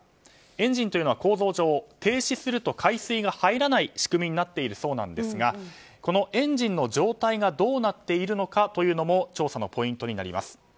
エンジンというのは構造上停止すると海水が入らない仕組みになっているそうなんですがこのエンジンの状態がどうなっているのかというのも調査のポイントになります。